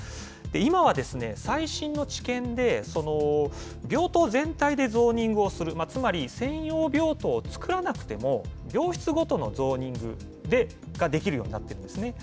今は最新のちけんで、病棟全体でゾーニングをする、つまり、専用病棟を作らなくても、病室ごとのゾーニングでできるようになってるんですね。